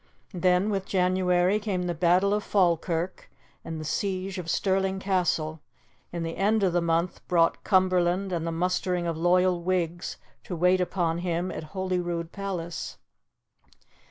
Then, with January, came the battle of Falkirk and the siege of Stirling Castle, and the end of the month brought Cumberland and the mustering of loyal Whigs to wait upon him at Holyrood Palace.